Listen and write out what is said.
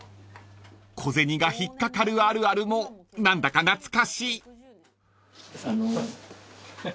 ［小銭が引っ掛かるあるあるも何だか懐かしい］